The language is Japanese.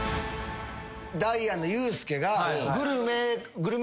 ダイアンのユースケが。